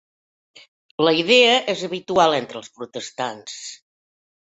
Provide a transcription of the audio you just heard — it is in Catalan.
La idea és habitual entre els protestants.